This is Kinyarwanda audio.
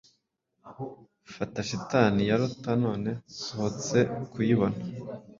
Fata shitani ya lotta none nsohotse kuyibona